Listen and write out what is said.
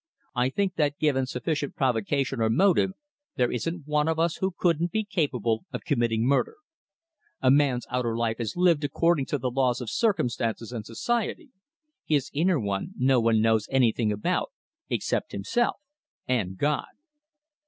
I think that, given sufficient provocation or motive, there isn't one of us who wouldn't be capable of committing murder. A man's outer life is lived according to the laws of circumstances and society: his inner one no one knows anything about, except himself and God!"